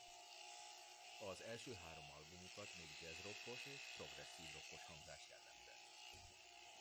Az első három albumukat még jazz rockos és progresszív rockos hangzás jellemzett.